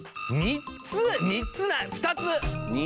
３つ３つなあ２つ！